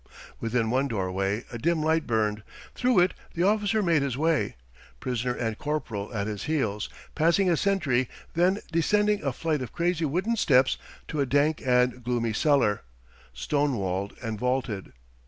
Within one doorway a dim light burned; through it the officer made his way, prisoner and corporal at his heels, passing a sentry, then descending a flight of crazy wooden steps to a dank and gloomy cellar, stone walled and vaulted.